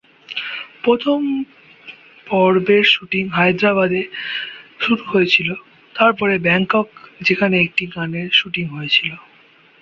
প্রথম পর্বের শুটিং হায়দরাবাদে শুরু হয়েছিল, তার পরে ব্যাংকক, যেখানে একটি গানের শুটিং হয়েছিল।